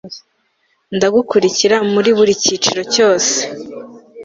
Ndagukurikira muri buri kiciro cyose